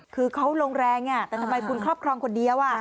คือเขาลงแรงแต่ทำไมคุณครอบครองคนเดียว